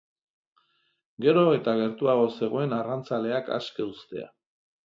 Gero eta gertuago zegoen arrantzaleak aske uztea.